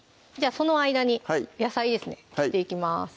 その間に野菜ですね切っていきます